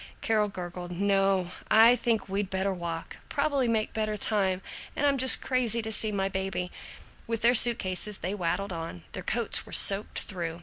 Carol gurgled, "No, I think we'd better walk; probably make better time, and I'm just crazy to see my baby." With their suit cases they waddled on. Their coats were soaked through.